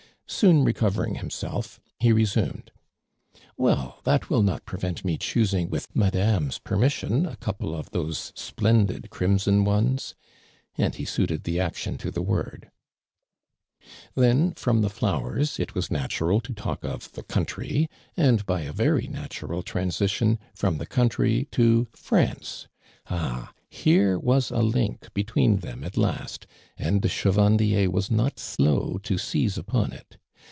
Soon recovering himself, he resumed :" Well, that will noti)revent me choosing, with Madamv's (permission, a couple of those splendid crimson ones,' and he suit ed the action to the woril. Then, from the flowers it was natural to talk of the country, and by a very natural transition, from the country to France. Ah! here was a link between them at last, and de Chevandier was not slow to seize upon it.